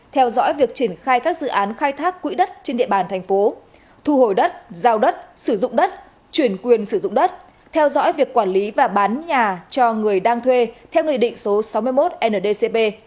theo dõi việc triển khai các dự án khai thác quỹ đất trên địa bàn thành phố thu hồi đất giao đất sử dụng đất chuyển quyền sử dụng đất theo dõi việc quản lý và bán nhà cho người đang thuê theo nghị định số sáu mươi một ndcp